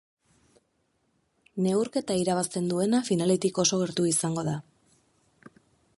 Neurketa irabazten duena finaletik oso gertu izango da.